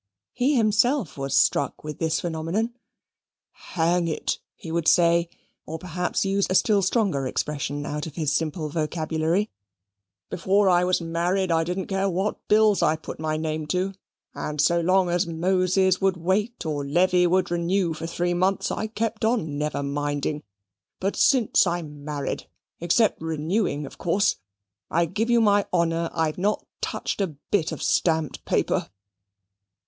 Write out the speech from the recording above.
He himself was struck with this phenomenon. "Hang it," he would say (or perhaps use a still stronger expression out of his simple vocabulary), "before I was married I didn't care what bills I put my name to, and so long as Moses would wait or Levy would renew for three months, I kept on never minding. But since I'm married, except renewing, of course, I give you my honour I've not touched a bit of stamped paper."